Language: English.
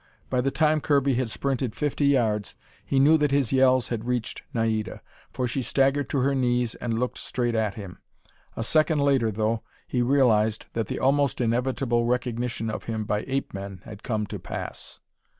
By the time Kirby had sprinted fifty yards, he knew that his yells had reached Naida. For she staggered to her knees and looked straight at him. A second later, though, he realized that the almost inevitable recognition of him by ape men had come to pass.